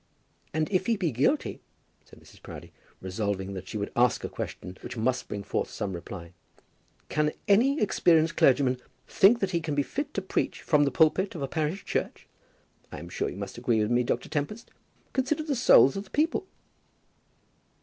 "And if he be guilty," said Mrs. Proudie, resolving that she would ask a question that must bring forth some reply, "can any experienced clergyman think that he can be fit to preach from the pulpit of a parish church? I am sure that you must agree with me, Dr. Tempest? Consider the souls of the people!"